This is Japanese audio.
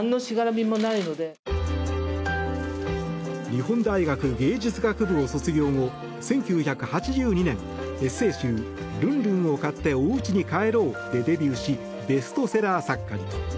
日本大学芸術学部を卒業後１９８２年エッセー集「ルンルンを買っておうちに帰ろう」でデビューしベストセラー作家に。